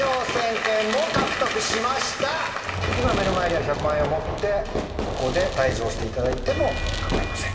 今目の前にある１００万円を持ってここで退場していただいても構いません。